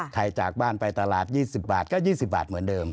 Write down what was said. จากบ้านไปตลาด๒๐บาทก็๒๐บาทเหมือนเดิม